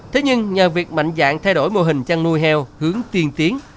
thế nhưng nhờ việc mạnh dạng thay đổi mô hình chăn nuôi heo hướng tiên tiến